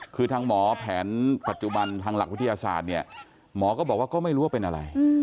คือทางหมอแผนปัจจุบันทางหลักวิทยาศาสตร์เนี่ยหมอก็บอกว่าก็ไม่รู้ว่าเป็นอะไร